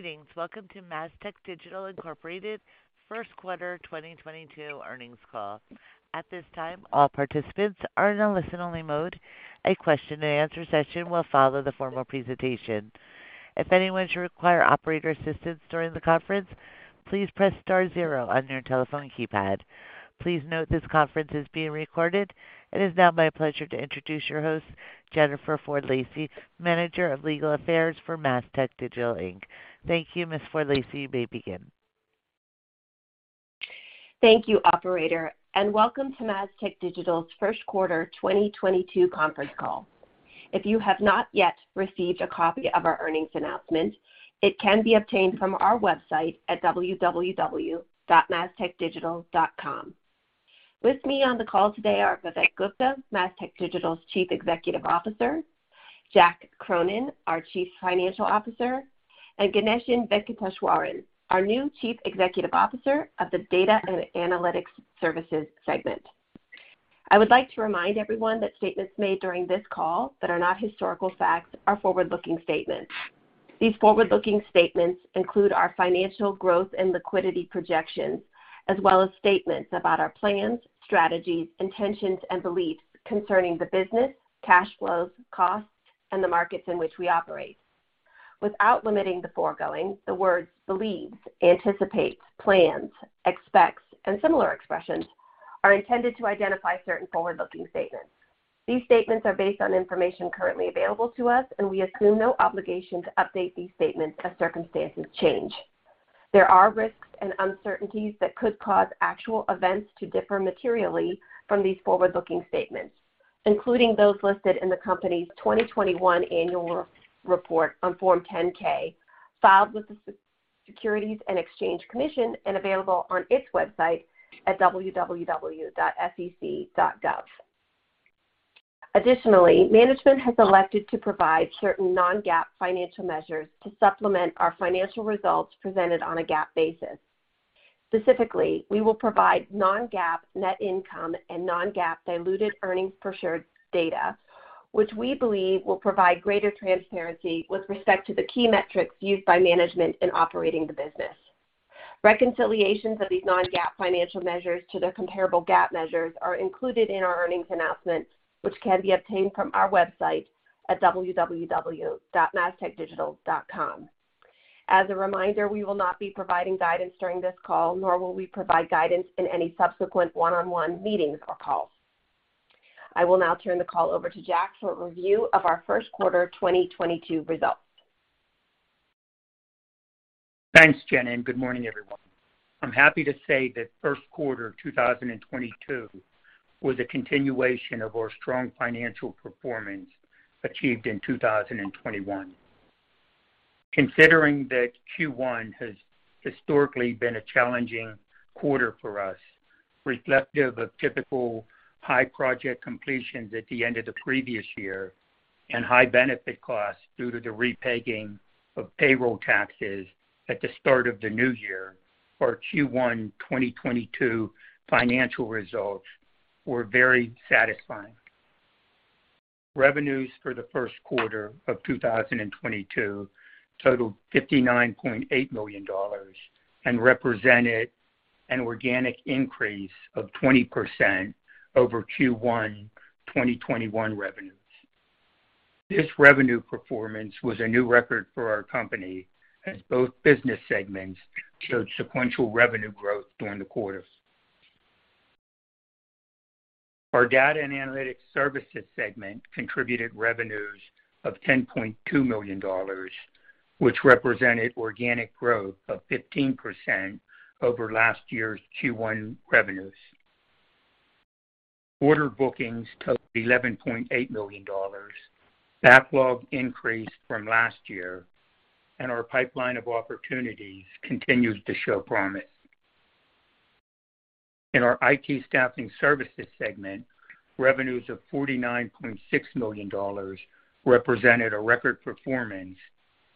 Greetings. Welcome to Mastech Digital, Inc. First Quarter 2022 Earnings Call. At this time, all participants are in a listen-only mode. A question-and-answer session will follow the formal presentation. If anyone should require operator assistance during the conference, please press star zero on your telephone keypad. Please note this conference is being recorded. It is now my pleasure to introduce your host, Jennifer Ford-Lacey, Manager of Legal Affairs for Mastech Digital, Inc. Thank you, Ms. Ford-Lacey. You may begin. Thank you, operator, and welcome to Mastech Digital's First Quarter 2022 Conference Call. If you have not yet received a copy of our earnings announcement, it can be obtained from our website at www.mastechdigital.com. With me on the call today are Vivek Gupta, Mastech Digital's Chief Executive Officer, Jack Cronin, our Chief Financial Officer, and Ganeshan Venkateshwaran, our new Chief Executive Officer of the Data & Analytics Services segment. I would like to remind everyone that statements made during this call that are not historical facts are forward-looking statements. These forward-looking statements include our financial growth and liquidity projections, as well as statements about our plans, strategies, intentions, and beliefs concerning the business, cash flows, costs, and the markets in which we operate. Without limiting the foregoing, the words believes, anticipates, plans, expects, and similar expressions are intended to identify certain forward-looking statements. These statements are based on information currently available to us, and we assume no obligation to update these statements as circumstances change. There are risks and uncertainties that could cause actual events to differ materially from these forward-looking statements, including those listed in the company's 2021 annual report on Form 10-K, filed with the Securities and Exchange Commission and available on its website at www.sec.gov. Additionally, management has elected to provide certain non-GAAP financial measures to supplement our financial results presented on a GAAP basis. Specifically, we will provide non-GAAP net income and non-GAAP diluted earnings per share data, which we believe will provide greater transparency with respect to the key metrics used by management in operating the business. Reconciliations of these non-GAAP financial measures to their comparable GAAP measures are included in our earnings announcement, which can be obtained from our website at www.mastechdigital.com. As a reminder, we will not be providing guidance during this call, nor will we provide guidance in any subsequent one-on-one meetings or calls. I will now turn the call over to Jack for a review of our first quarter 2022 results. Thanks, Jennifer, and good morning, everyone. I'm happy to say that First Quarter 2022 was a continuation of our strong financial performance achieved in 2021. Considering that Q1 has historically been a challenging quarter for us, reflective of typical high project completions at the end of the previous year and high benefit costs due to the repagging of payroll taxes at the start of the new year, our Q1 2022 financial results were very satisfying. Revenues for the first quarter of 2022 totaled $59.8 million and represented an organic increase of 20% over Q1 2021 revenues. This revenue performance was a new record for our company as both business segments showed sequential revenue growth during the quarter. Our Data and Analytics Services segment contributed revenues of $10.2 million, which represented organic growth of 15% over last year's Q1 revenues. Order bookings totaled $11.8 million. Backlog increased from last year, and our pipeline of opportunities continues to show promise. In our IT staffing services segment, revenues of $49.6 million represented a record performance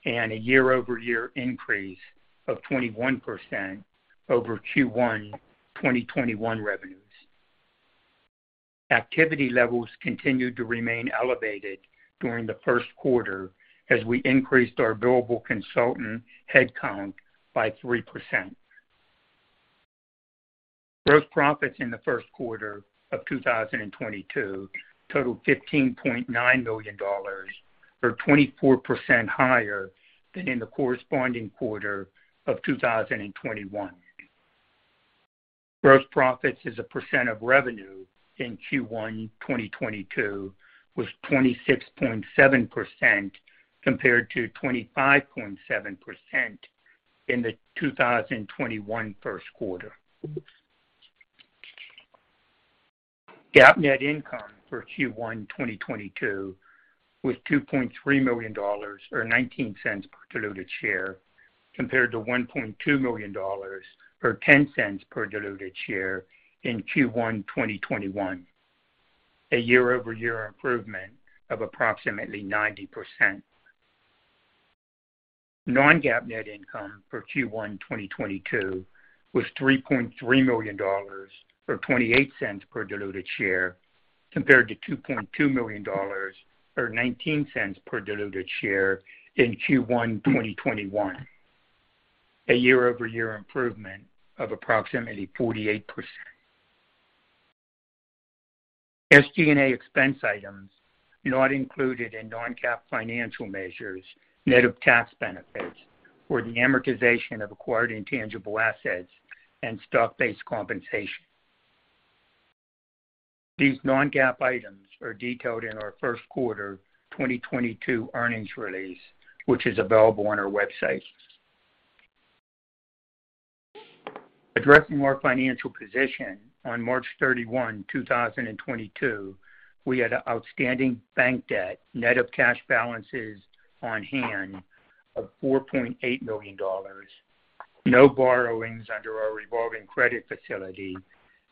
and a year-over-year increase of 21% over Q1 2021 revenues. Activity levels continued to remain elevated during the first quarter as we increased our billable consultant headcount by 3%. Gross profits in the first quarter of 2022 totaled $15.9 million or 24% higher than in the corresponding quarter of 2021. Gross profits as a percent of revenue in Q1 2022 was 26.7% compared to 25.7% in the 2021 first quarter. GAAP net income for Q1 2022 was $2.3 million or $0.19 per diluted share, compared to $1.2 million or $0.10 per diluted share in Q1 2021, a year-over-year improvement of approximately 90%. Non-GAAP net income for Q1 2022 was $3.3 million, or $0.28 per diluted share compared to $2.2 million or $0.19 per diluted share in Q1 2021, a year-over-year improvement of approximately 48%. SG&A expense items not included in non-GAAP financial measures, net of tax benefits or the amortization of acquired intangible assets and stock-based compensation. These non-GAAP items are detailed in our first quarter 2022 earnings release, which is available on our website. Addressing our financial position, on March 31, 2022, we had an outstanding bank debt net of cash balances on hand of $4.8 million, no borrowings under our revolving credit facility,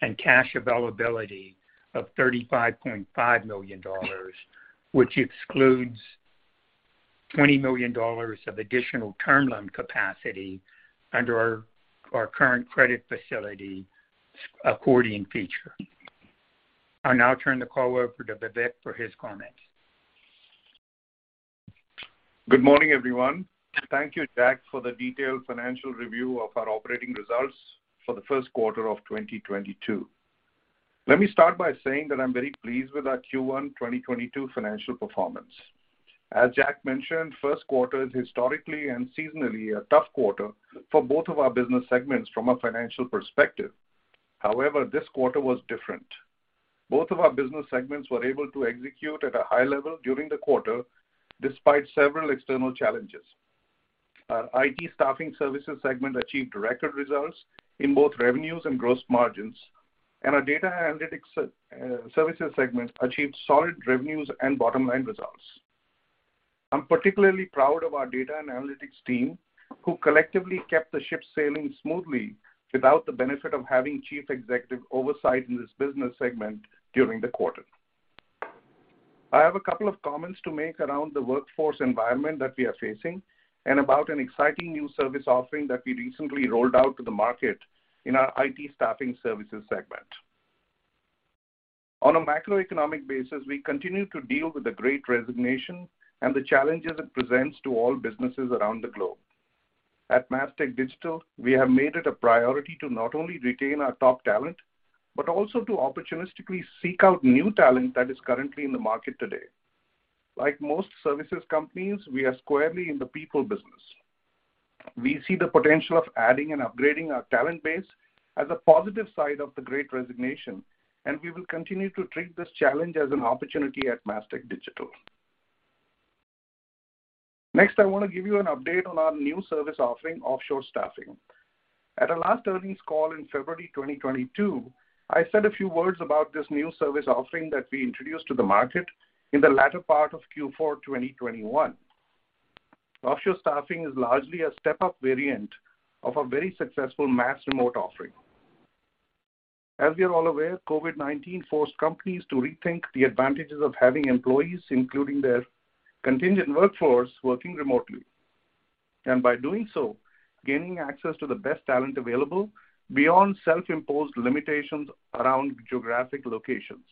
and cash availability of $35.5 million, which excludes $20 million of additional term loan capacity under our current credit facility accordion feature. I'll now turn the call over to Vivek for his comments. Good morning, everyone. Thank you, Jack, for the detailed financial review of our operating results for the first quarter of 2022. Let me start by saying that I'm very pleased with our Q1 2022 financial performance. As Jack mentioned, first quarter is historically and seasonally a tough quarter for both of our business segments from a financial perspective. However, this quarter was different. Both of our business segments were able to execute at a high level during the quarter, despite several external challenges. Our IT staffing services segment achieved record results in both revenues and gross margins, and our data analytics services segment achieved solid revenues and bottom-line results. I'm particularly proud of our data and analytics team, who collectively kept the ship sailing smoothly without the benefit of having chief executive oversight in this business segment during the quarter. I have a couple of comments to make around the workforce environment that we are facing and about an exciting new service offering that we recently rolled out to the market in our IT staffing services segment. On a macroeconomic basis, we continue to deal with the great resignation and the challenges it presents to all businesses around the globe. At Mastech Digital, we have made it a priority to not only retain our top talent, but also to opportunistically seek out new talent that is currently in the market today. Like most services companies, we are squarely in the people business. We see the potential of adding and upgrading our talent base as a positive side of the great resignation, and we will continue to treat this challenge as an opportunity at Mastech Digital. Next, I wanna give you an update on our new service offering, offshore staffing. At our last earnings call in February 2022, I said a few words about this new service offering that we introduced to the market in the latter part of Q4 2021. Offshore staffing is largely a step up variant of our very successful MasTech Remote offering. As we are all aware, COVID-19 forced companies to rethink the advantages of having employees, including their contingent workforce, working remotely. By doing so, gaining access to the best talent available beyond self-imposed limitations around geographic locations.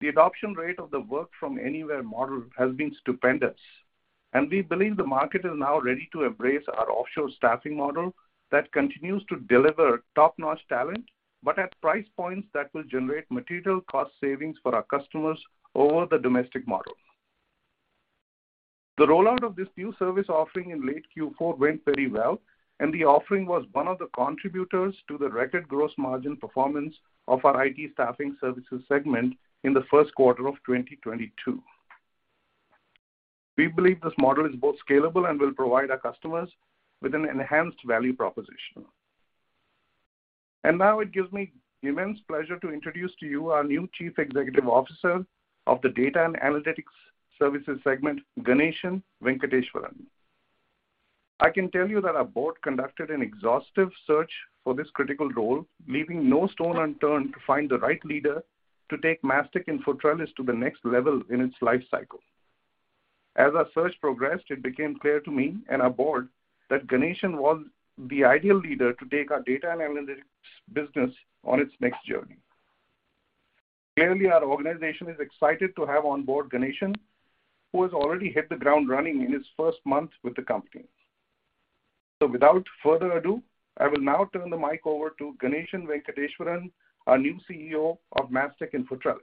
The adoption rate of the work from anywhere model has been stupendous, and we believe the market is now ready to embrace our offshore staffing model that continues to deliver top-notch talent, but at price points that will generate material cost savings for our customers over the domestic model. The rollout of this new service offering in late Q4 went very well, and the offering was one of the contributors to the record gross margin performance of our IT staffing services segment in the first quarter of 2022. We believe this model is both scalable and will provide our customers with an enhanced value proposition. Now it gives me immense pleasure to introduce to you our new Chief Executive Officer of the Data and Analytics Services segment, Ganeshan Venkateshwaran. I can tell you that our board conducted an exhaustive search for this critical role, leaving no stone unturned to find the right leader to take Mastech InfoTrellis to the next level in its life cycle. As our search progressed, it became clear to me and our board that Ganeshan was the ideal leader to take our data and analytics business on its next journey. Clearly, our organization is excited to have on board Ganeshan, who has already hit the ground running in his first month with the company. Without further ado, I will now turn the mic over to Ganeshan Venkateshwaran, our new CEO of Mastech InfoTrellis.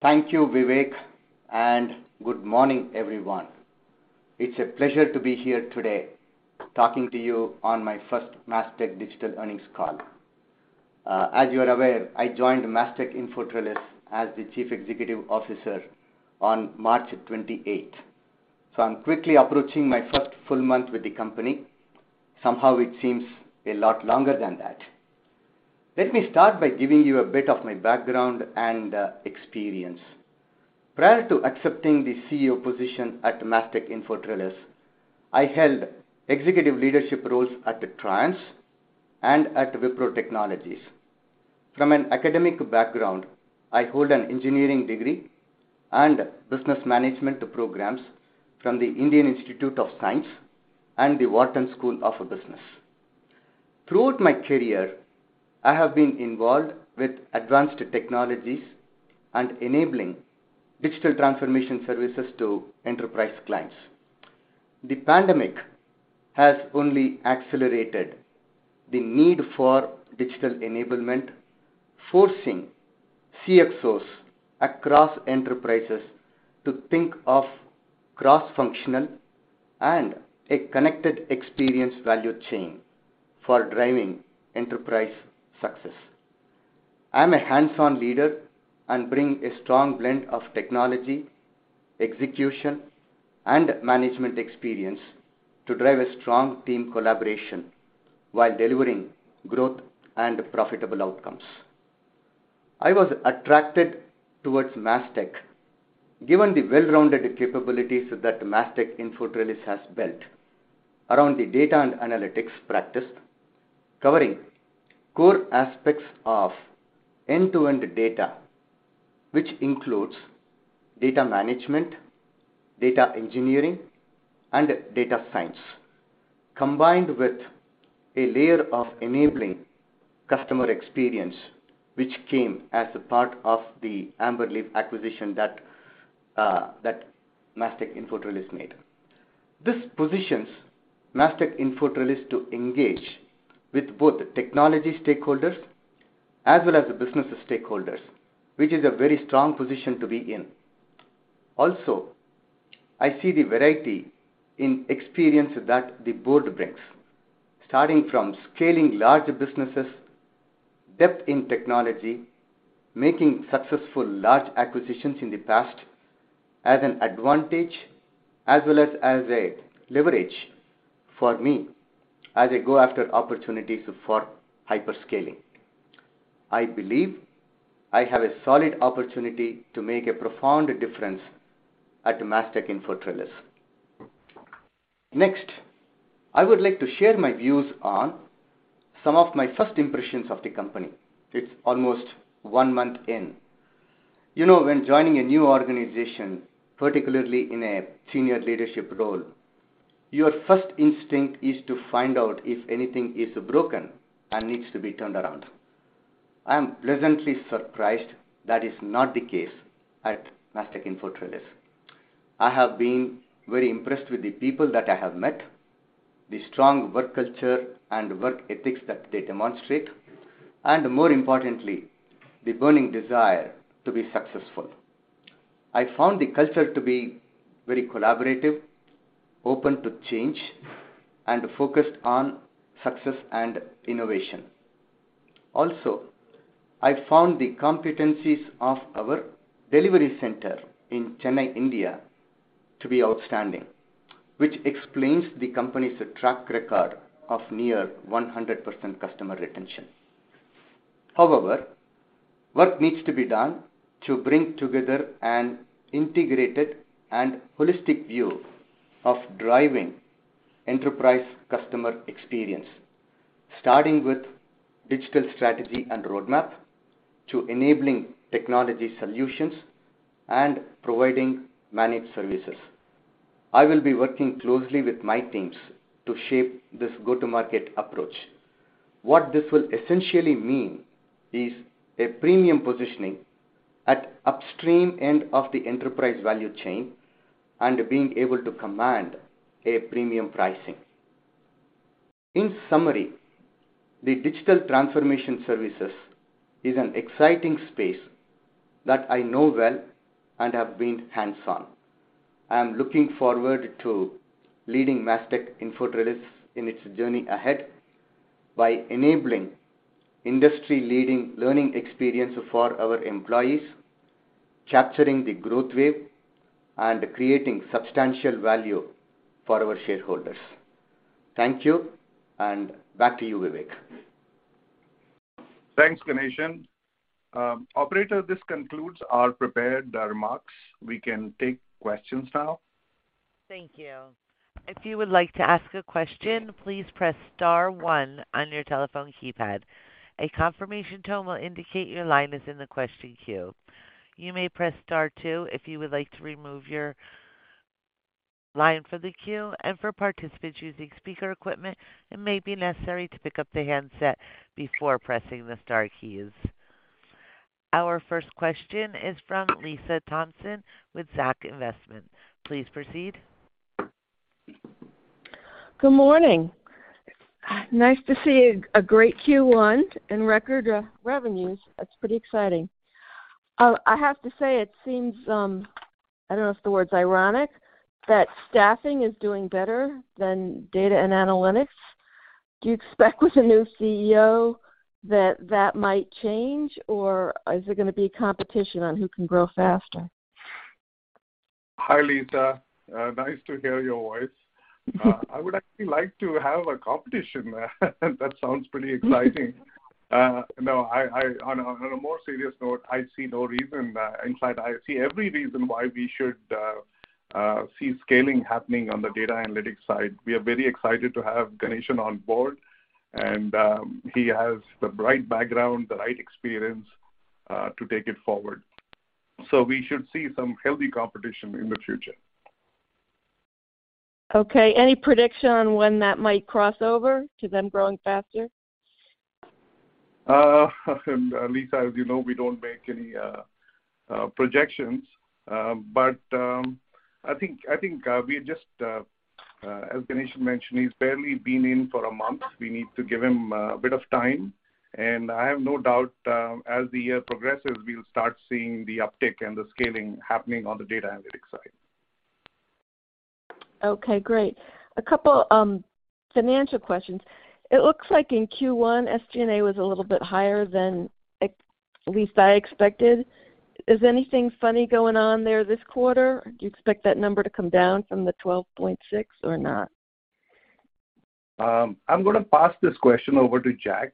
Thank you, Vivek, and good morning, everyone. It's a pleasure to be here today talking to you on my first Mastech Digital earnings call. As you are aware, I joined Mastech InfoTrellis as the Chief Executive Officer on March 28. I'm quickly approaching my first full month with the company. Somehow it seems a lot longer than that. Let me start by giving you a bit of my background and experience. Prior to accepting the CEO position at Mastech InfoTrellis, I held executive leadership roles at Trianz and at Wipro Technologies. From an academic background, I hold an engineering degree and business management programs from the Indian Institute of Science and the Wharton School of Business. Throughout my career, I have been involved with advanced technologies and enabling digital transformation services to enterprise clients. The pandemic has only accelerated the need for digital enablement, forcing CFOs across enterprises to think of cross-functional and a connected experience value chain for driving enterprise success. I'm a hands-on leader and bring a strong blend of technology, execution, and management experience to drive a strong team collaboration while delivering growth and profitable outcomes. I was attracted towards Mastech given the well-rounded capabilities that Mastech InfoTrellis has built around the data and analytics practice, covering core aspects of end-to-end data, which includes data management, data engineering, and data science, combined with a layer of enabling customer experience, which came as a part of the AmberLeaf acquisition that Mastech InfoTrellis made. This positions Mastech InfoTrellis to engage with both technology stakeholders as well as the business stakeholders, which is a very strong position to be in. Also, I see the variety in experience that the board brings, starting from scaling large businesses, depth in technology, making successful large acquisitions in the past as an advantage as well as a leverage for me as I go after opportunities for hyper scaling. I believe I have a solid opportunity to make a profound difference at Mastech InfoTrellis. Next, I would like to share my views on some of my first impressions of the company. It's almost one month in. You know, when joining a new organization, particularly in a senior leadership role, your first instinct is to find out if anything is broken and needs to be turned around. I am pleasantly surprised that is not the case at Mastech InfoTrellis. I have been very impressed with the people that I have met, the strong work culture and work ethics that they demonstrate, and more importantly, the burning desire to be successful. I found the culture to be very collaborative, open to change, and focused on success and innovation. Also, I found the competencies of our delivery center in Chennai, India, to be outstanding, which explains the company's track record of near 100% customer retention. However, work needs to be done to bring together an integrated and holistic view of driving enterprise customer experience, starting with digital strategy and roadmap to enabling technology solutions and providing managed services. I will be working closely with my teams to shape this go-to-market approach. What this will essentially mean is a premium positioning at upstream end of the enterprise value chain and being able to command a premium pricing. In summary, the digital transformation services is an exciting space that I know well and have been hands-on. I am looking forward to leading Mastech InfoTrellis in its journey ahead by enabling industry-leading learning experience for our employees, capturing the growth wave, and creating substantial value for our shareholders. Thank you, and back to you, Vivek. Thanks, Ganesan. Operator, this concludes our prepared remarks. We can take questions now. Thank you. If you would like to ask a question, please press star one on your telephone keypad. A confirmation tone will indicate your line is in the question queue. You may press star two if you would like to remove your line from the queue. For participants using speaker equipment, it may be necessary to pick up the handset before pressing the star keys. Our first question is from Lisa Thompson with Zacks Investment. Please proceed. Good morning. Nice to see a great Q1 and record revenues. That's pretty exciting. I have to say it seems, I don't know if the word's ironic, that staffing is doing better than data and analytics. Do you expect with the new CEO that might change, or is it gonna be competition on who can grow faster? Hi, Lisa. Nice to hear your voice. I would actually like to have a competition. That sounds pretty exciting. On a more serious note, I see no reason, in fact, I see every reason why we should see scaling happening on the data analytics side. We are very excited to have Ganesan on board, and he has the right background, the right experience, to take it forward. We should see some healthy competition in the future. Okay. Any prediction on when that might cross over to then growing faster? Lisa, as you know, we don't make any projections. I think we just, as Ganesan mentioned, he's barely been in for a month. We need to give him a bit of time. I have no doubt, as the year progresses, we'll start seeing the uptick and the scaling happening on the data analytics side. Okay, great. A couple financial questions. It looks like in Q1, SG&A was a little bit higher than I expected. Is anything funny going on there this quarter? Do you expect that number to come down from the 12.6% or not? I'm gonna pass this question over to Jack.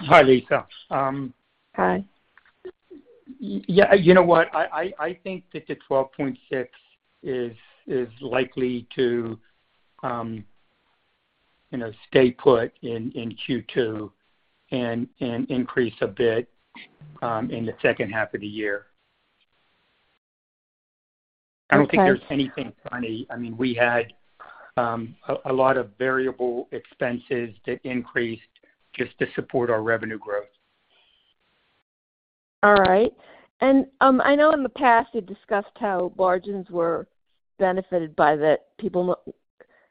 Hi, Lisa. Hi. Yeah, you know what? I think that the 12.6% is likely to, you know, stay put in Q2 and increase a bit in the second half of the year. Okay. I don't think there's anything funny. I mean, we had a lot of variable expenses that increased just to support our revenue growth. All right. I know in the past, you've discussed how margins were benefited by the people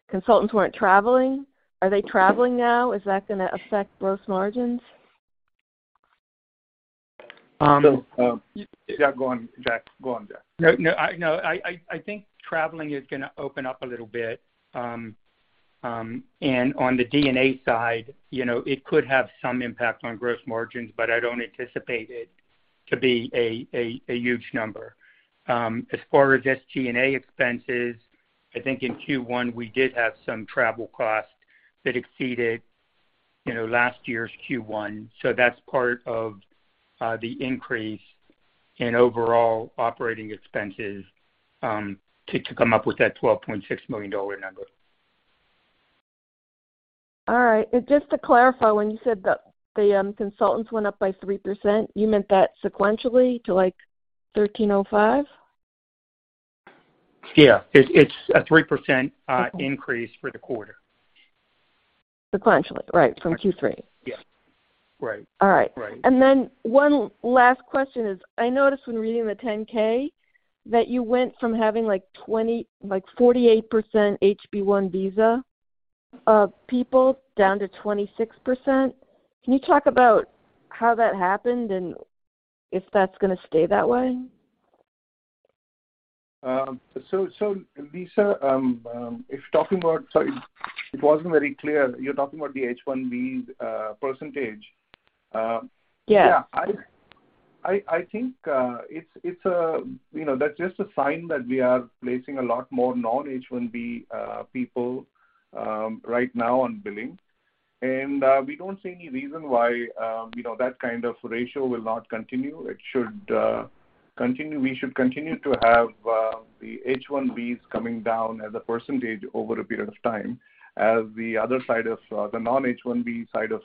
consultants weren't traveling. Are they traveling now? Is that gonna affect gross margins? Yeah, go on, Jack. No, I think traveling is gonna open up a little bit. On the D&A side, you know, it could have some impact on gross margins, but I don't anticipate it to be a huge number. As far as SG&A expenses, I think in Q1, we did have some travel costs that exceeded last year's Q1, so that's part of the increase in overall operating expenses to come up with that $12.6 million number. All right. Just to clarify, when you said the consultants went up by 3%, you meant that sequentially to, like, 1,305? Yeah. It's a 3%. Okay. increase for the quarter. Sequentially, right, from Q3. Yeah. Right. All right. Right. One last question is, I noticed when reading the 10-K that you went from having, like, 48% H-1B visa people down to 26%. Can you talk about how that happened and if that's gonna stay that way? Sorry, it wasn't very clear. You're talking about the H-1B's percentage? Yeah. Yeah. I think it's you know that's just a sign that we are placing a lot more non-H1B people right now on billing. We don't see any reason why you know that kind of ratio will not continue. It should continue. We should continue to have the H1Bs coming down as a percentage over a period of time as the other side of the non-H1B side of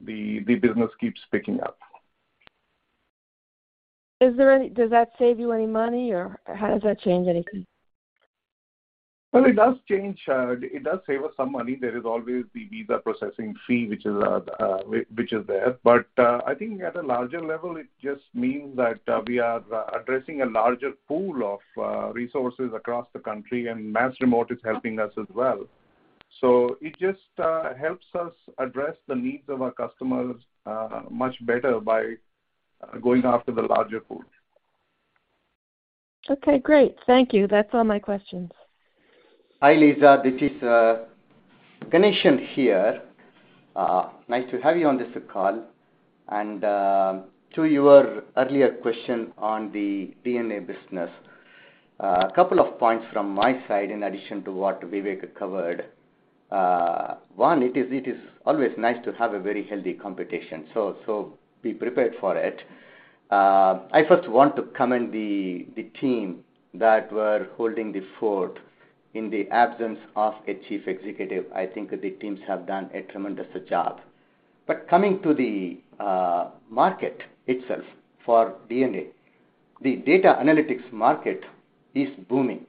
the business keeps picking up. Does that save you any money or how does that change anything? Well, it does change, it does save us some money. There is always the visa processing fee, which is there. I think at a larger level, it just means that we are addressing a larger pool of resources across the country, and MAS-REMOTE is helping us as well. It just helps us address the needs of our customers much better by going after the larger pool. Okay, great. Thank you. That's all my questions. Hi, Lisa. This is Ganeshan here. Nice to have you on this call. To your earlier question on the D&A business, a couple of points from my side in addition to what Vivek covered. One, it is always nice to have a very healthy competition. Be prepared for it. I first want to commend the team that were holding the fort in the absence of a chief executive. I think the teams have done a tremendous job. Coming to the market itself for D&A, the data analytics market is booming.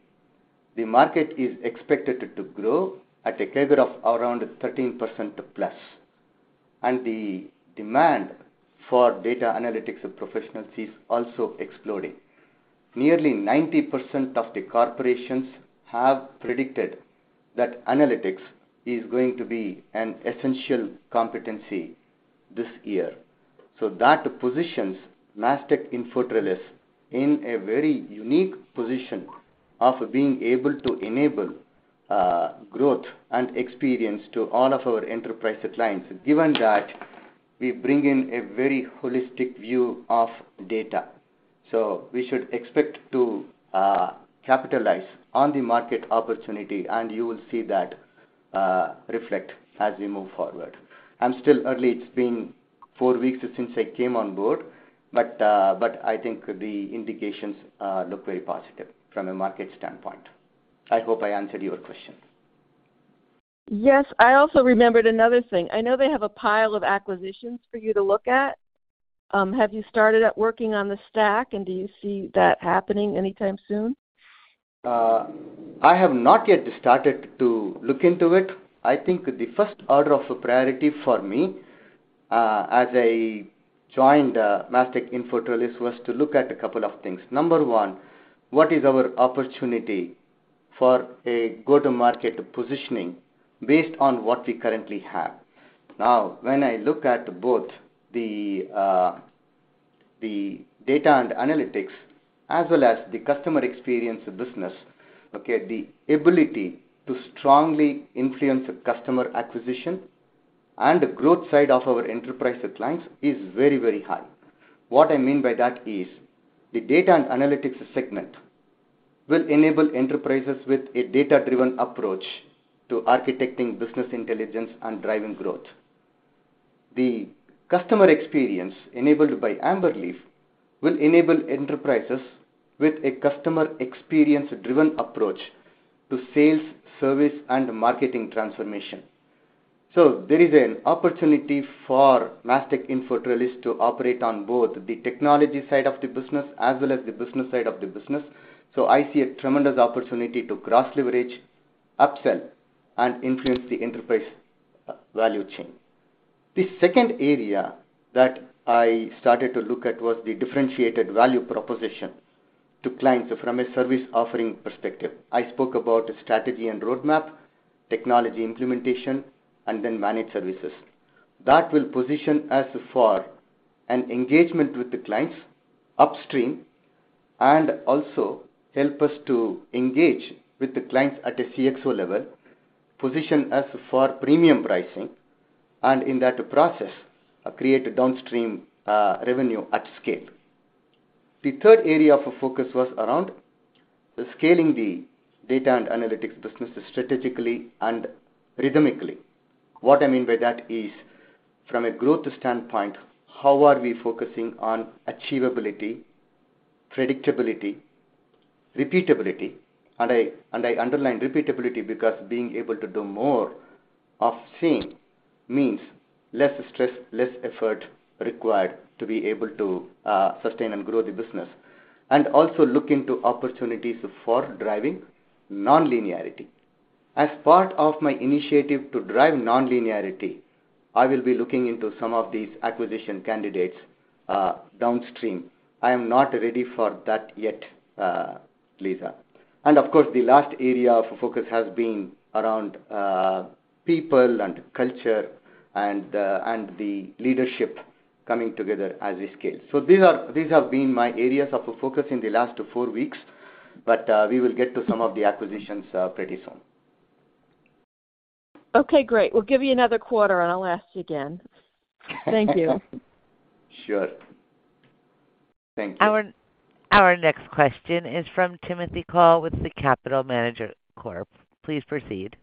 The market is expected to grow at a CAGR of around 13%+. The demand for data analytics professionals is also exploding. Nearly 90% of the corporations have predicted that analytics is going to be an essential competency this year. That positions Mastech InfoTrellis in a very unique position of being able to enable growth and experience to all of our enterprise clients, given that we bring in a very holistic view of data. We should expect to capitalize on the market opportunity, and you will see that reflect as we move forward. I'm still early. It's been four weeks since I came on board, but I think the indications look very positive from a market standpoint. I hope I answered your question. Yes. I also remembered another thing. I know they have a pile of acquisitions for you to look at. Have you started up working on the stack, and do you see that happening anytime soon? I have not yet started to look into it. I think the first order of priority for me, as I joined Mastech InfoTrellis was to look at a couple of things. Number one, what is our opportunity for a go-to-market positioning based on what we currently have? Now, when I look at both the data and analytics as well as the customer experience business, okay, the ability to strongly influence customer acquisition and the growth side of our enterprise clients is very, very high. What I mean by that is the data and analytics segment will enable enterprises with a data-driven approach to architecting business intelligence and driving growth. The customer experience enabled by AmberLeaf will enable enterprises with a customer experience-driven approach to sales, service, and marketing transformation. There is an opportunity for Mastech InfoTrellis to operate on both the technology side of the business as well as the business side of the business. I see a tremendous opportunity to cross-leverage, upsell, and influence the enterprise value chain. The second area that I started to look at was the differentiated value proposition to clients from a service offering perspective. I spoke about strategy and roadmap, technology implementation, and then managed services. That will position us for an engagement with the clients upstream and also help us to engage with the clients at a CXO level, position us for premium pricing, and in that process, create a downstream revenue at scale. The third area of focus was around scaling the data and analytics business strategically and rhythmically. What I mean by that is, from a growth standpoint, how are we focusing on achievability, predictability, repeatability? I underline repeatability because being able to do more of same means less stress, less effort required to be able to sustain and grow the business, and also look into opportunities for driving nonlinearity. As part of my initiative to drive nonlinearity, I will be looking into some of these acquisition candidates, downstream. I am not ready for that yet, Lisa. Of course, the last area of focus has been around people and culture and the leadership coming together as a scale. These have been my areas of focus in the last four weeks, but we will get to some of the acquisitions, pretty soon. Okay, great. We'll give you another quarter, and I'll ask you again. Thank you. Sure. Thank you. Our next question is from Timothy Call with The Capital Management Corporation. Please proceed.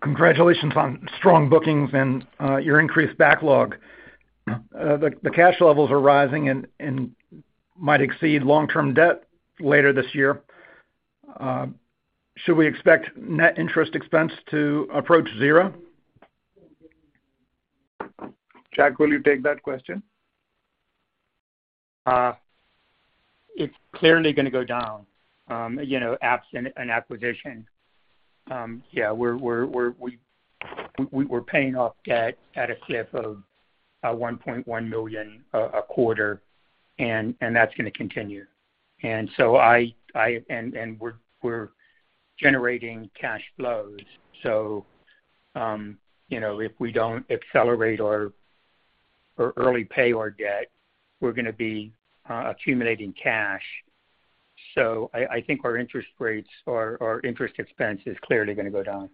Congratulations on strong bookings and your increased backlog. The cash levels are rising and might exceed long-term debt later this year. Should we expect net interest expense to approach zero? Jack, will you take that question? It's clearly gonna go down, you know, absent an acquisition. We're paying off debt at a clip of $1.1 million a quarter, and that's gonna continue. We're generating cash flows. You know, if we don't accelerate or early pay our debt, we're gonna be accumulating cash. I think our interest rates or our interest expense is clearly gonna go down.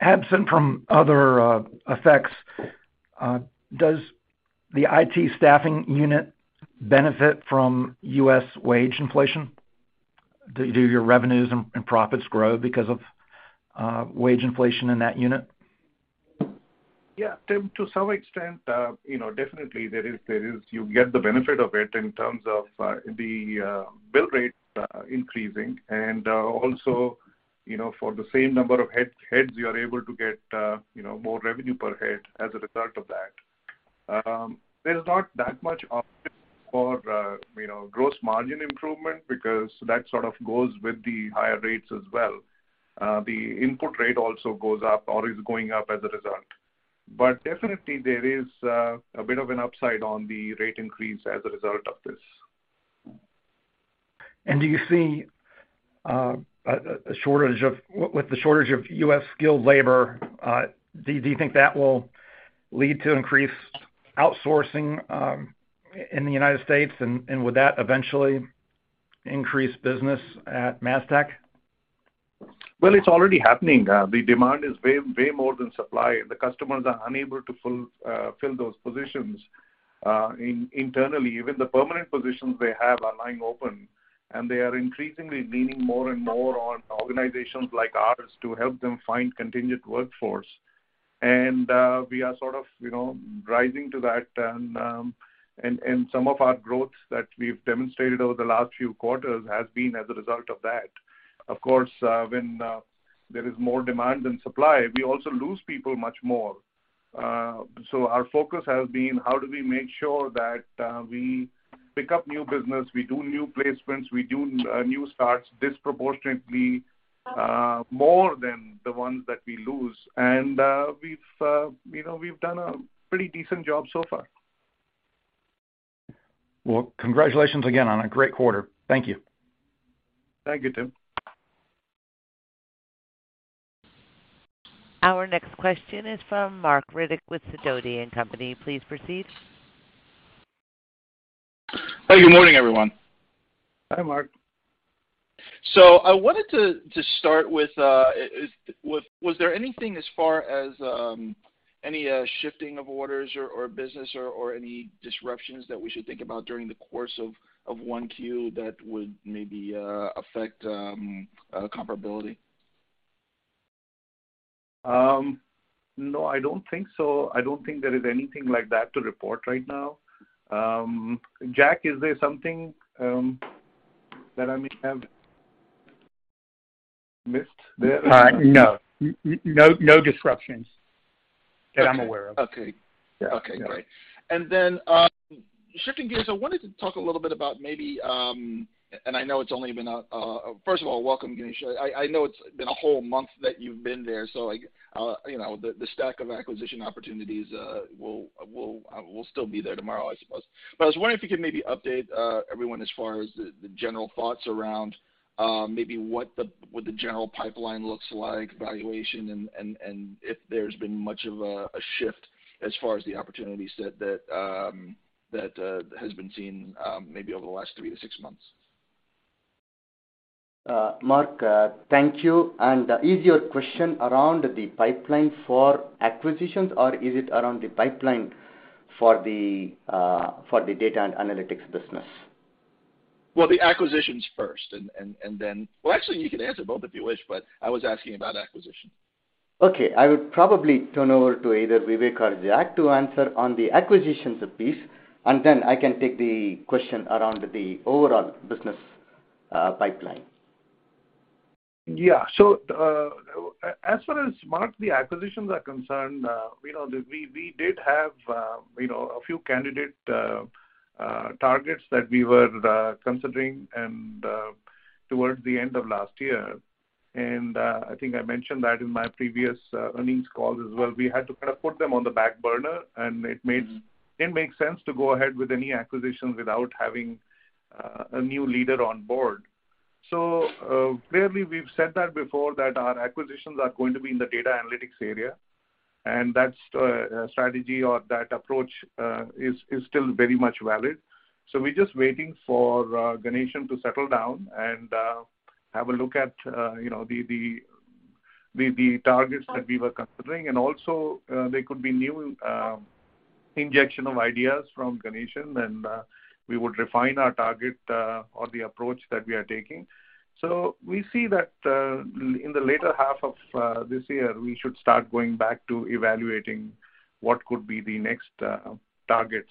Absent from other effects, does the IT staffing unit benefit from U.S. wage inflation? Do your revenues and profits grow because of wage inflation in that unit? Yeah. Tim, to some extent, you know, definitely there is. You get the benefit of it in terms of the bill rate increasing. Also, you know, for the same number of heads, you are able to get, you know, more revenue per head as a result of that. There's not that much option for, you know, gross margin improvement because that sort of goes with the higher rates as well. The input rate also goes up or is going up as a result. Definitely there is a bit of an upside on the rate increase as a result of this. With the shortage of U.S. skilled labor, do you think that will lead to increased outsourcing in the United States? Would that eventually increase business at Mastech? Well, it's already happening. The demand is way more than supply. The customers are unable to fill those positions. Internally, even the permanent positions they have are lying open, and they are increasingly leaning more and more on organizations like ours to help them find continued workforce. We are sort of, you know, rising to that. Some of our growth that we've demonstrated over the last few quarters has been as a result of that. Of course, when there is more demand than supply, we also lose people much more. Our focus has been how do we make sure that we pick up new business, we do new placements, we do new starts disproportionately more than the ones that we lose. We've, you know, done a pretty decent job so far. Well, congratulations again on a great quarter. Thank you. Thank you, Tim. Our next question is from Marc Riddick with Sidoti & Company. Please proceed. Hi, good morning, everyone. Hi, Marc. I wanted to start with, was there anything as far as any shifting of orders or business or any disruptions that we should think about during the course of Q1 that would maybe affect comparability? No, I don't think so. I don't think there is anything like that to report right now. Jack, is there something that I may have missed there? No. No, no disruptions that I'm aware of. Okay, great. Yeah. Shifting gears, I wanted to talk a little bit about maybe... I know it's only been a... First of all, welcome, Ganeshan. I know it's been a whole month that you've been there, so like, you know, the stack of acquisition opportunities will still be there tomorrow, I suppose. I was wondering if you could maybe update everyone as far as the general thoughts around, maybe what the general pipeline looks like, valuation, and if there's been much of a shift as far as the opportunities that has been seen, maybe over the last three-six months. Marc, thank you. Is your question around the pipeline for acquisitions or is it around the pipeline for the data analytics business? Well, actually you can answer both if you wish, but I was asking about acquisition. Okay. I would probably turn over to either Vivek or Jack to answer on the acquisitions piece, and then I can take the question around the overall business, pipeline. Yeah. As far as, Marc, the acquisitions are concerned, you know, we did have, you know, a few candidate targets that we were considering and, I think I mentioned that in my previous earnings call as well. We had to kind of put them on the back burner, and it made. Mm-hmm. It didn't make sense to go ahead with any acquisitions without having a new leader on board. Clearly, we've said that before, that our acquisitions are going to be in the data analytics area, and that strategy or that approach is still very much valid. We're just waiting for Ganesh to settle down and have a look at, you know, the targets that we were considering. Also, there could be new injection of ideas from Ganesh, and we would refine our target or the approach that we are taking. We see that in the later half of this year, we should start going back to evaluating what could be the next targets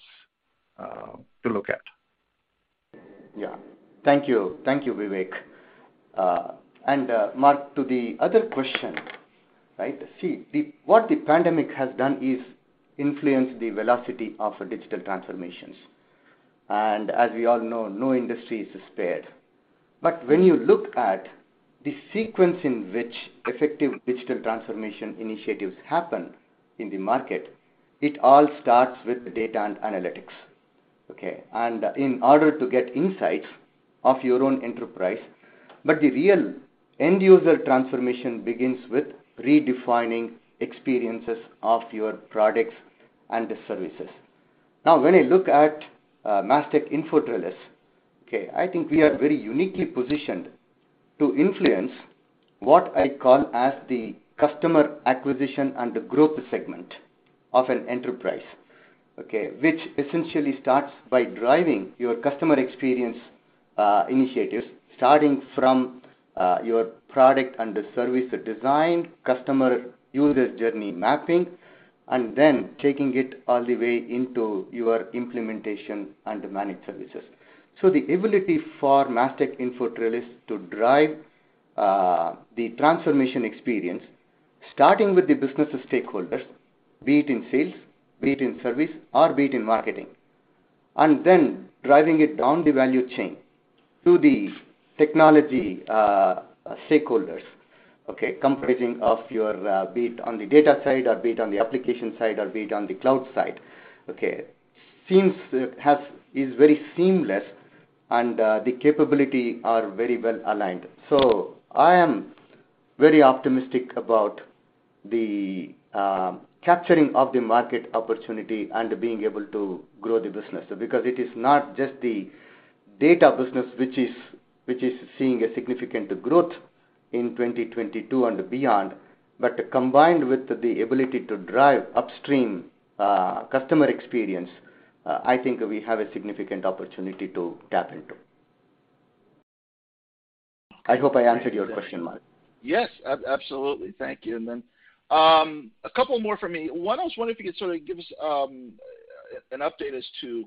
to look at. Yeah. Thank you. Thank you, Vivek. Marc, to the other question, right? See, what the pandemic has done is influence the velocity of digital transformations. As we all know, no industry is spared. When you look at the sequence in which effective digital transformation initiatives happen in the market, it all starts with data and analytics, okay? In order to get insights of your own enterprise. The real end user transformation begins with redefining experiences of your products and services. Now, when I look at Mastech InfoTrellis, okay, I think we are very uniquely positioned to influence what I call as the customer acquisition and the growth segment of an enterprise, okay? Which essentially starts by driving your customer experience, initiatives, starting from, your product and the service design, customer user journey mapping, and then taking it all the way into your implementation and managed services. The ability for Mastech InfoTrellis to drive, the transformation experience, starting with the business stakeholders, be it in sales, be it in service, or be it in marketing, and then driving it down the value chain to the technology, stakeholders, okay, comprising of your, be it on the data side or be it on the application side or be it on the cloud side, okay, seems is very seamless and, the capability are very well aligned. I am very optimistic about the, capturing of the market opportunity and being able to grow the business. Because it is not just the D&A business, which is seeing a significant growth in 2022 and beyond. Combined with the ability to drive upstream, customer experience, I think we have a significant opportunity to tap into. I hope I answered your question, Marc. Yes, absolutely. Thank you. A couple more from me. One, I was wondering if you could sort of give us an update as to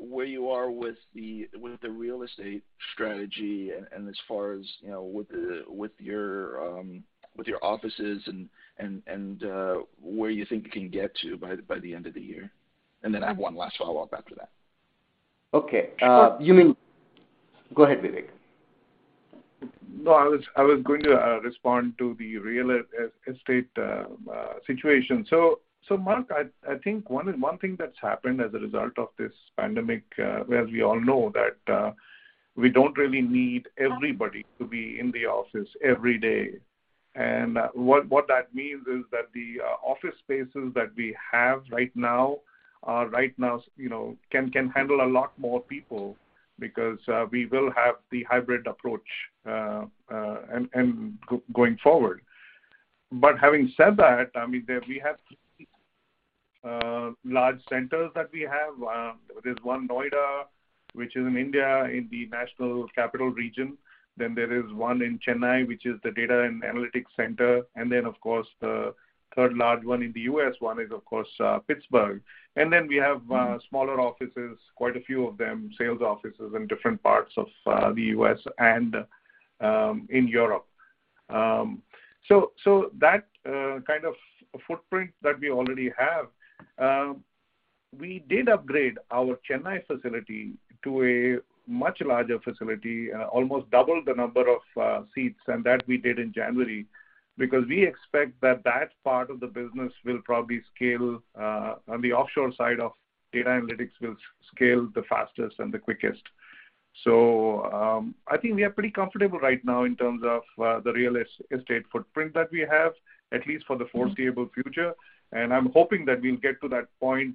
where you are with the real estate strategy and as far as, you know, with your offices and where you think you can get to by the end of the year. I have one last follow-up after that. Okay. Go ahead, Vivek. No, I was going to respond to the real estate situation. Mark, I think one thing that's happened as a result of this pandemic, where we all know that we don't really need everybody to be in the office every day. What that means is that the office spaces that we have right now are right now, you know, can handle a lot more people because we will have the hybrid approach and going forward. Having said that, I mean, we have large centers that we have. There's one in Noida, which is in India, in the national capital region. Then there is one in Chennai, which is the data and analytics center. And then, of course, the third large one in the US. One is, of course, Pittsburgh. Then we have smaller offices, quite a few of them, sales offices in different parts of the U.S and in Europe. That kind of footprint that we already have, we did upgrade our Chennai facility to a much larger facility, almost double the number of seats, and that we did in January. Because we expect that part of the business will probably scale on the offshore side of data analytics will scale the fastest and the quickest. I think we are pretty comfortable right now in terms of the real estate footprint that we have, at least for the foreseeable future. I'm hoping that we'll get to that point,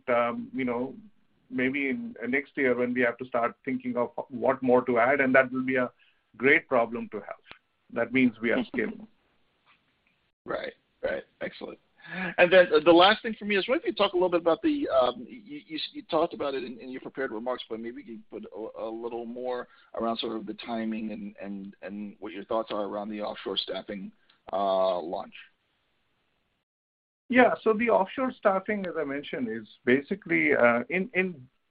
you know, maybe in next year when we have to start thinking of what more to add. That will be a great problem to have. That means we are scaling. Right. Excellent. Then the last thing for me is I wonder if you could talk a little bit about the you talked about it in your prepared remarks, but maybe you could put a little more around sort of the timing and what your thoughts are around the offshore staffing launch. Yeah. The offshore staffing, as I mentioned, is basically.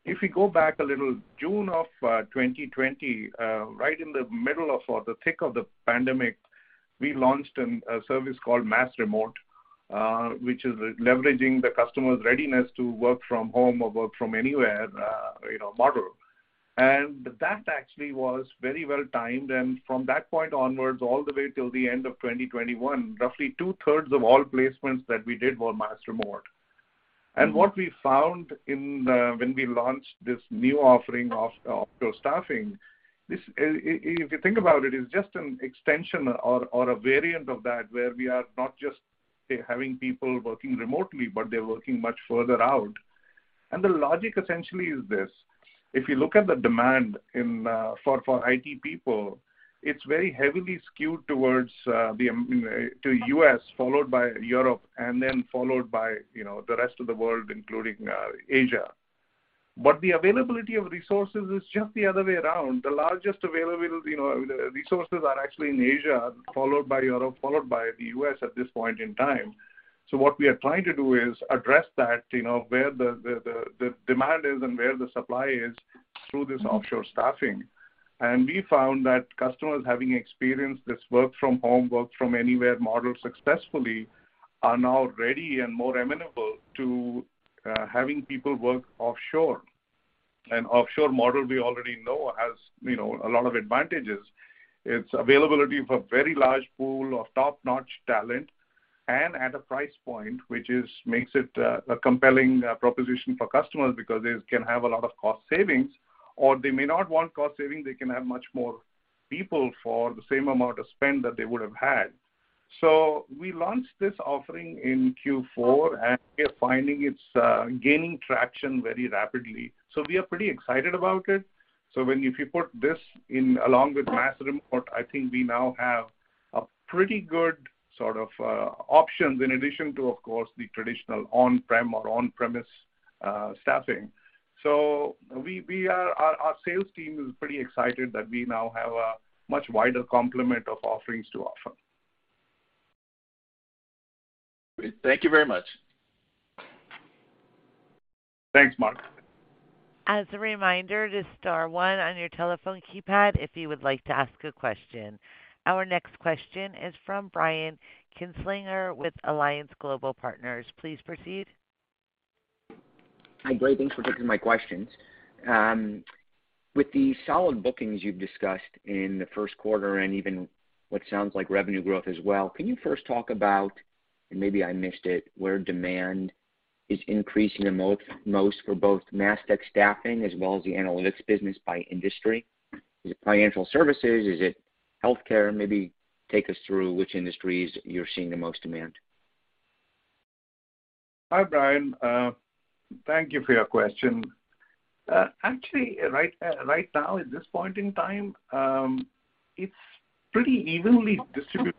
If we go back a little, June of 2020, right in the middle of or the thick of the pandemic, we launched a service called MAS-REMOTE, which is leveraging the customer's readiness to work from home or work from anywhere, you know, model. That actually was very well timed. From that point onwards all the way till the end of 2021, roughly two-thirds of all placements that we did were MAS-REMOTE. What we found when we launched this new offering of offshore staffing, this, if you think about it's just an extension or a variant of that, where we are not just having people working remotely, but they're working much further out. The logic essentially is this: if you look at the demand for IT people, it's very heavily skewed towards the U.S., followed by Europe, and then followed by, you know, the rest of the world, including Asia. The availability of resources is just the other way around. The largest available, you know, resources are actually in Asia, followed by Europe, followed by the U.S. at this point in time. What we are trying to do is address that, you know, where the demand is and where the supply is through this offshore staffing. We found that customers having experienced this work from home, work from anywhere model successfully are now ready and more amenable to having people work offshore. An offshore model we already know has, you know, a lot of advantages. Its availability of a very large pool of top-notch talent and at a price point, which is makes it a compelling proposition for customers because they can have a lot of cost savings, or they may not want cost saving, they can have much more people for the same amount of spend that they would have had. We launched this offering in Q4, and we are finding it's gaining traction very rapidly. We are pretty excited about it. If you put this in along with MAS-REMOTE, I think we now have a pretty good sort of options in addition to, of course, the traditional on-prem or on-premise staffing. Our sales team is pretty excited that we now have a much wider complement of offerings to offer. Great. Thank you very much. Thanks, Marc. As a reminder to star one on your telephone keypad if you would like to ask a question. Our next question is from Brian Kinstlinger with Alliance Global Partners. Please proceed. Hi, Brian. Thanks for taking my questions. With the solid bookings you've discussed in the first quarter and even what sounds like revenue growth as well, can you first talk about, and maybe I missed it, where demand is increasing the most for both Mastech staffing as well as the analytics business by industry? Is it financial services? Is it healthcare? Maybe take us through which industries you're seeing the most demand. Hi, Brian. Thank you for your question. Actually, right now, at this point in time, it's pretty evenly distributed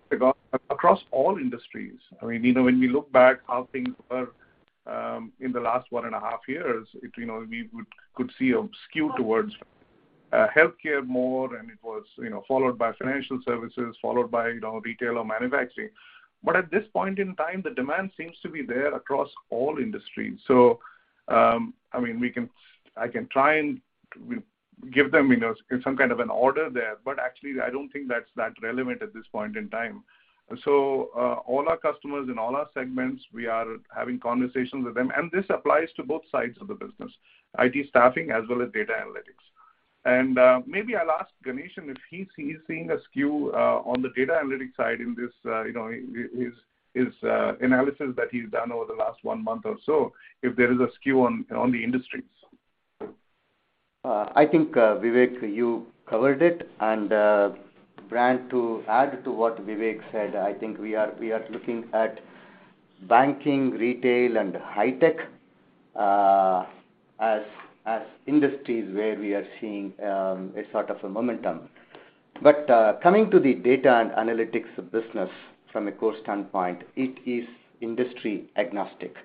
across all industries. I mean, you know, when we look back how things were in the last one and a half years. You know, we could see a skew towards healthcare more, and it was, you know, followed by financial services, followed by, you know, retail or manufacturing. At this point in time, the demand seems to be there across all industries. I mean, I can try and give them, you know, some kind of an order there, but actually I don't think that's that relevant at this point in time. All our customers in all our segments, we are having conversations with them, and this applies to both sides of the business, IT staffing as well as data analytics. Maybe I'll ask Ganeshan if he's seeing a skew on the data analytics side in this, you know, in his analysis that he's done over the last one month or so, if there is a skew on the industries. I think, Vivek, you covered it. Brian, to add to what Vivek said, I think we are looking at banking, retail and high tech as industries where we are seeing a sort of a momentum. Coming to the data and analytics business from a core standpoint, it is industry agnostic.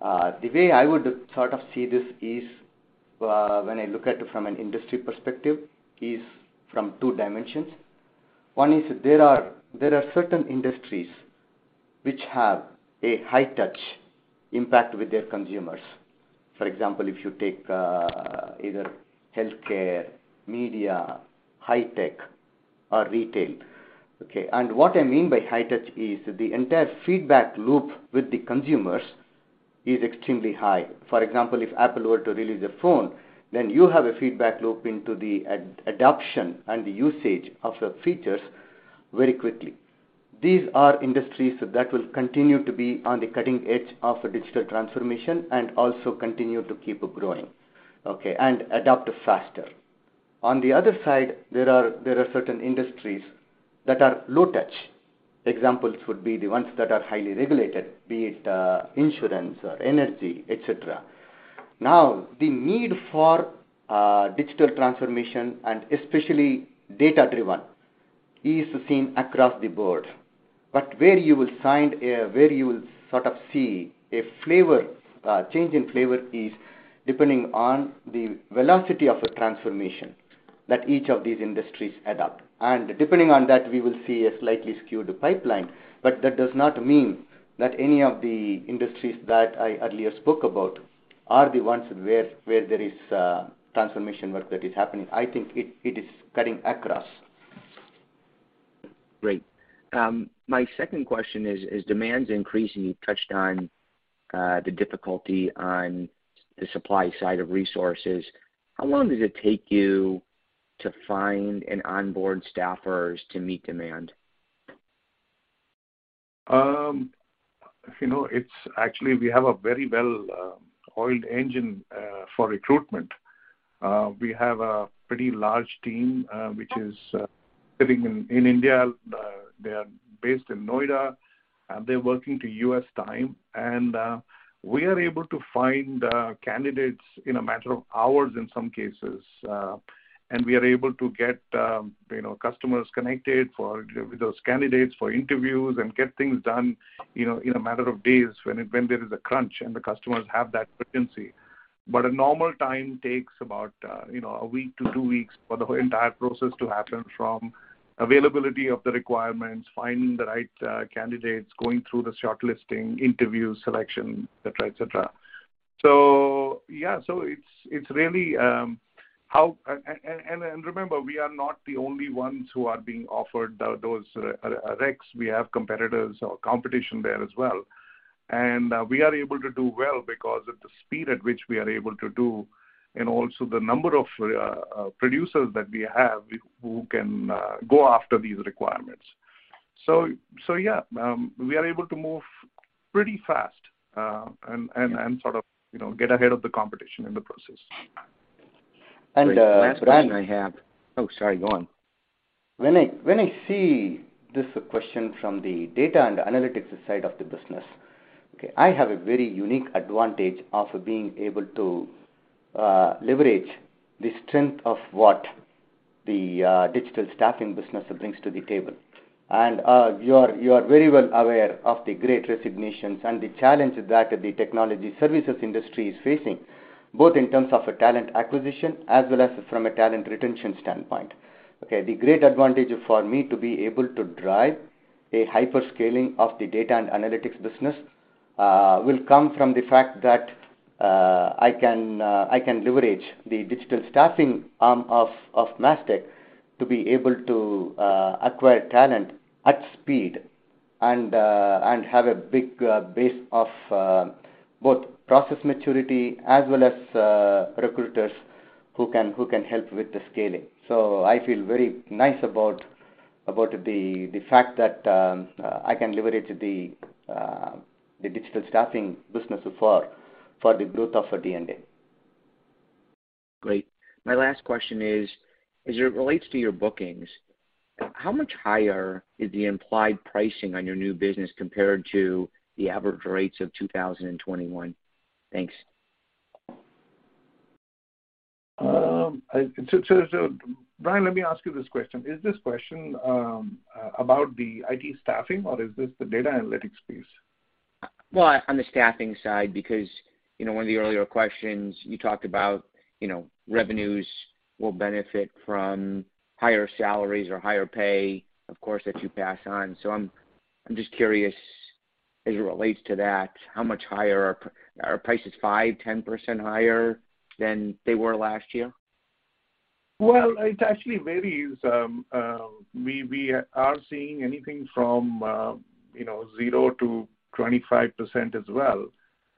The way I would sort of see this is when I look at it from an industry perspective is from two dimensions. One is there are certain industries which have a high touch impact with their consumers. For example, if you take either healthcare, media, high tech or retail, okay? What I mean by high touch is the entire feedback loop with the consumers is extremely high. For example, if Apple were to release a phone, then you have a feedback loop into the adoption and the usage of the features very quickly. These are industries that will continue to be on the cutting edge of digital transformation and also continue to keep growing, okay, and adapt faster. On the other side there are certain industries that are low touch. Examples would be the ones that are highly regulated, be it insurance or energy, et cetera. Now, the need for digital transformation and especially data-driven is seen across the board. But where you will sort of see a flavor, a change in flavor is depending on the velocity of the transformation that each of these industries adopt. Depending on that, we will see a slightly skewed pipeline. That does not mean that any of the industries that I earlier spoke about are the ones where there is transformation work that is happening. I think it is cutting across. Great. My second question is, as demand's increasing, you touched on the difficulty on the supply side of resources. How long does it take you to find and onboard staffers to meet demand? Actually, we have a very well oiled engine for recruitment. We have a pretty large team which is sitting in India. They are based in Noida, and they're working to U.S. time. We are able to find candidates in a matter of hours in some cases. We are able to get, you know, customers connected with those candidates for interviews and get things done, you know, in a matter of days when there is a crunch and the customers have that urgency. A normal time takes about, you know, a week to two weeks for the entire process to happen, from availability of the requirements, finding the right candidates, going through the shortlisting, interview, selection, et cetera. Yeah. It's really how. Remember, we are not the only ones who are being offered those reqs. We have competitors or competition there as well. We are able to do well because of the speed at which we are able to do and also the number of producers that we have who can go after these requirements. Yeah, we are able to move pretty fast, and sort of, you know, get ahead of the competition in the process. Brian. Last question I have. Oh, sorry, go on. When I see this question from the data and analytics side of the business, okay, I have a very unique advantage of being able to leverage the strength of what the digital staffing business brings to the table. You are very well aware of the Great Resignation and the challenge that the technology services industry is facing, both in terms of a talent acquisition as well as from a talent retention standpoint, okay? The great advantage for me to be able to drive a hyper scaling of the data and analytics business will come from the fact that I can leverage the digital staffing arm of Mastech to be able to acquire talent at speed and have a big base of both process maturity as well as recruiters who can help with the scaling. I feel very nice about the fact that I can leverage the digital staffing business for the growth of D&A. Great. My last question is, as it relates to your bookings, how much higher is the implied pricing on your new business compared to the average rates of 2021? Thanks. Brian, let me ask you this question. Is this question about the IT staffing or is this the data analytics piece? Well, on the staffing side, because, you know, one of the earlier questions you talked about, you know, revenues will benefit from higher salaries or higher pay, of course, that you pass on. I'm just curious, as it relates to that, how much higher? Are prices 5, 10% higher than they were last year? Well, it actually varies. We are seeing anything from, you know, 0%-25% as well.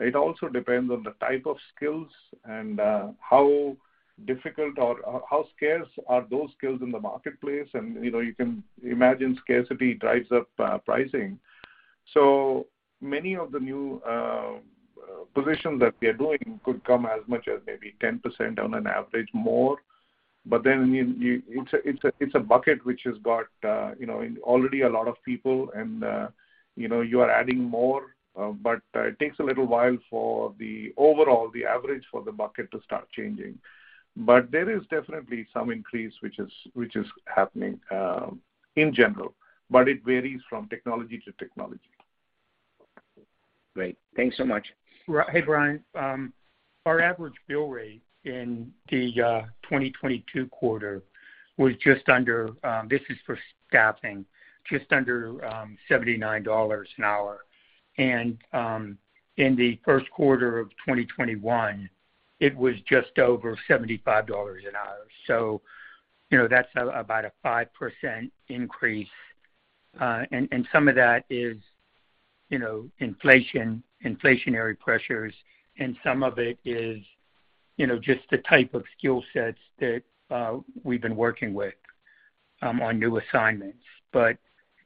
It also depends on the type of skills and how difficult or how scarce are those skills in the marketplace. You know, you can imagine scarcity drives up pricing. Many of the new positions that we are doing could come as much as maybe 10% on an average more. I mean, it's a bucket which has got, you know, already a lot of people and, you know, you are adding more, but it takes a little while for the overall, the average for the bucket to start changing. There is definitely some increase which is happening in general, but it varies from technology to technology. Great. Thanks so much. Hey, Brian. Our average bill rate in the 2022 quarter was just under, this is for staffing, just under $79 an hour. In the first quarter of 2021, it was just over $75 an hour. You know, that's about a 5% increase. And some of that is, you know, inflation, inflationary pressures, and some of it is, you know, just the type of skill sets that we've been working with on new assignments.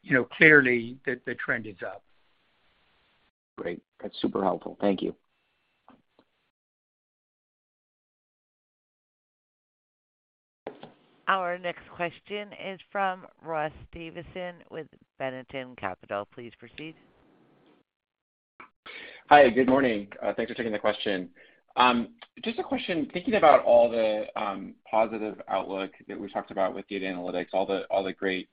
You know, clearly the trend is up. Great. That's super helpful. Thank you. Our next question is from Ross Davison with Bennington Capital. Please proceed. Hi. Good morning. Thanks for taking the question. Just a question, thinking about all the positive outlook that we talked about with data analytics, all the great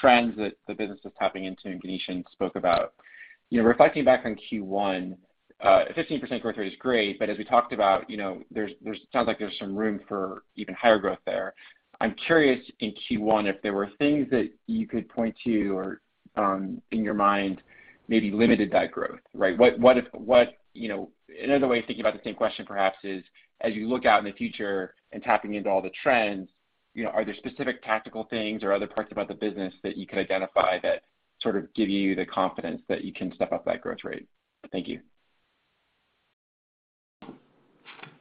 trends that the business is tapping into and Ganeshan spoke about. You know, reflecting back on Q1, a 15% growth rate is great, but as we talked about, you know, sounds like there's some room for even higher growth there. I'm curious in Q1 if there were things that you could point to or, in your mind maybe limited that growth, right? What if, what, you know. Another way of thinking about the same question perhaps is, as you look out in the future and tapping into all the trends, you know, are there specific tactical things or other parts about the business that you could identify that sort of give you the confidence that you can step up that growth rate? Thank you.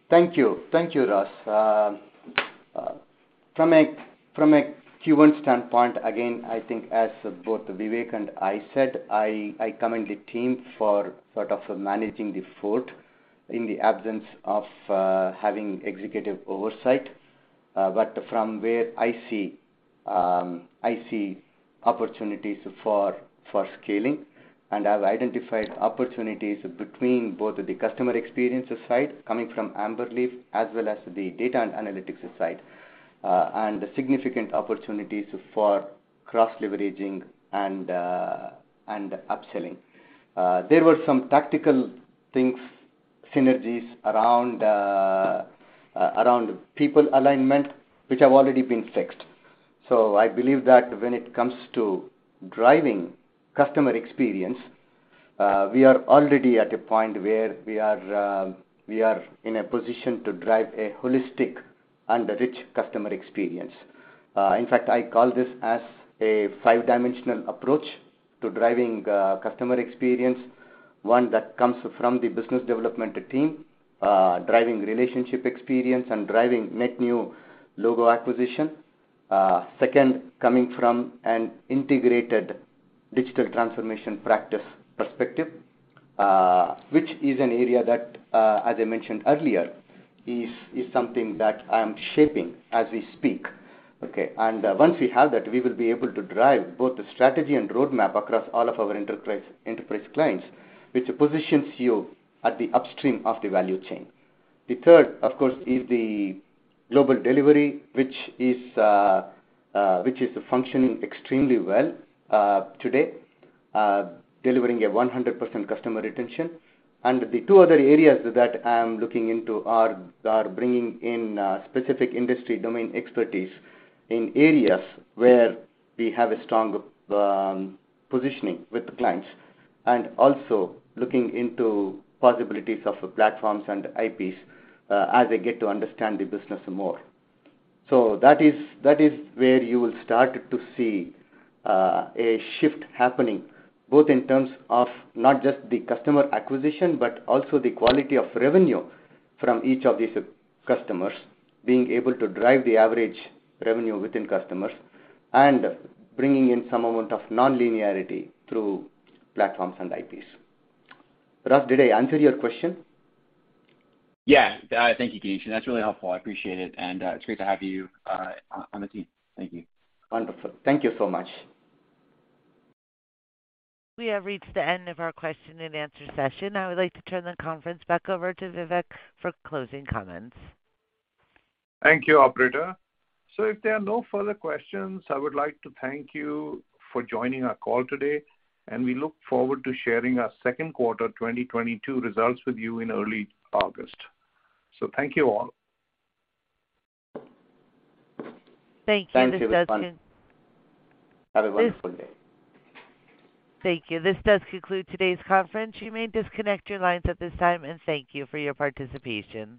Thank you. Thank you, Ross. From a Q1 standpoint, again, I think as both Vivek and I said, I commend the team for sort of managing the fort in the absence of having executive oversight. From where I see, I see opportunities for scaling, and I've identified opportunities between both the customer experience side coming from AmberLeaf as well as the data and analytics side, and the significant opportunities for cross-leveraging and upselling. There were some tactical things, synergies around people alignment, which have already been fixed. I believe that when it comes to driving customer experience, we are already at a point where we are in a position to drive a holistic and rich customer experience. In fact, I call this as a five-dimensional approach to driving customer experience, one that comes from the business development team, driving relationship experience and driving net new logo acquisition. Second, coming from an integrated digital transformation practice perspective, which is an area that, as I mentioned earlier, is something that I am shaping as we speak, okay. Once we have that, we will be able to drive both the strategy and roadmap across all of our enterprise clients, which positions you at the upstream of the value chain. The third, of course, is the global delivery, which is functioning extremely well today, delivering a 100% customer retention. The two other areas that I am looking into are bringing in specific industry domain expertise in areas where we have a strong positioning with the clients, and also looking into possibilities of platforms and IPs as I get to understand the business more. That is where you will start to see a shift happening, both in terms of not just the customer acquisition, but also the quality of revenue from each of these customers, being able to drive the average revenue within customers and bringing in some amount of nonlinearity through platforms and IPs. Ross, did I answer your question? Yeah. Thank you, Ganeshan. That's really helpful, I appreciate it. It's great to have you on the team. Thank you. Wonderful. Thank you so much. We have reached the end of our question and answer session. I would like to turn the conference back over to Vivek for closing comments. Thank you, operator. If there are no further questions, I would like to thank you for joining our call today, and we look forward to sharing our second quarter 2022 results with you in early August. Thank you all. Thank you. Thank you. Have a wonderful day. Thank you. This does conclude today's conference. You may disconnect your lines at this time, and thank you for your participation.